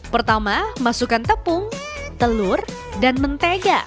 pertama masukkan tepung telur dan mentega